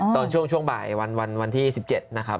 ตอนช่วงบ่ายวันที่๑๗นะครับ